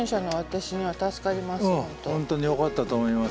本当によかったと思います。